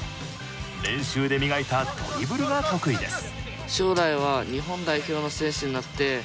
練習で磨いたドリブルが得意です。